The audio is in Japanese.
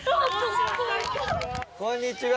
こんにちは。